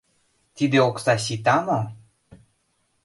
Тиде окса сита мо?